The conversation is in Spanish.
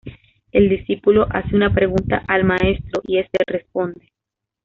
El discípulo hace una pregunta al maestro y este responde.